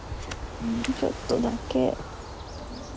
ちょっとだけ。